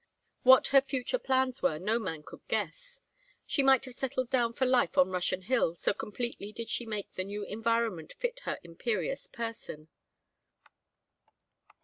What her future plans were no man could guess. She might have settled down for life on Russian Hill, so completely did she make the new environment fit her imperious person.